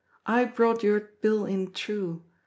I brought your bill in true!